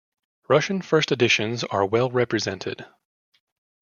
Russian first editions are well represented.